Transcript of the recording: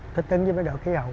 thích tính với độ khí hậu